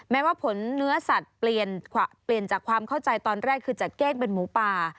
แม้ว่าผลเนื้อสัตว์เปลี่ยนจากความเข้าใจตอนแรกคือจากเก้งเป็นหมูป่า